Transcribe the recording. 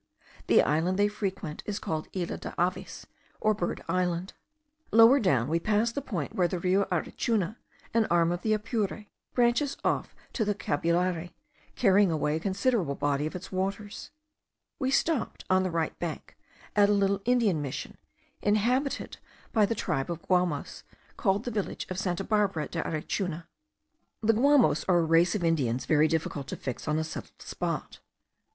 The island they frequent is called Isla de Aves, or Bird Island. Lower down we passed the point where the Rio Arichuna, an arm of the Apure, branches off to the Cabulare, carrying away a considerable body of its waters. We stopped, on the right bank, at a little Indian mission, inhabited by the tribe of the Guamos, called the village of Santa Barbara de Arichuna. The Guamos* are a race of Indians very difficult to fix on a settled spot.